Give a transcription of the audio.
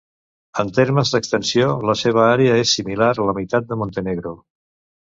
En termes d'extensió, la seva àrea és similar a la meitat de Montenegro.